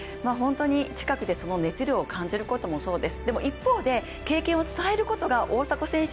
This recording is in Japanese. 近くでその熱量を感じることもそうです。